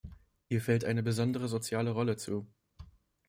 Ihr fällt eine besondere soziale Rolle zu.